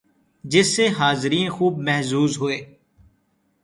جس سے حاضرین خوب محظوظ ہوئے